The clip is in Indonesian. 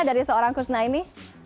dari seorang khusnaini